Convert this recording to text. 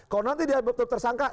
kalau nanti dia tetap tersangka